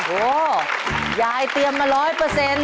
โอ้โฮยายเตรียมมา๑๐๐